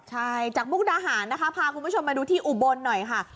ใช่จากมุกดาหารนะคะพาคุณผู้ชมมาดูที่อุบลหน่อยค่ะ